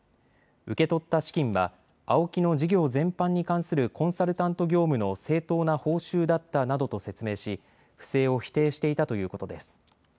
受け取った資金はＡＯＫＩの事業全般に関するコンサルタント業務の正当な報酬だったなどと説明し不正を否定していたということです。